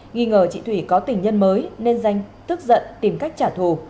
nghi ngờ chị thủy có tình nhân mới nên danh tức giận tìm cách trả thù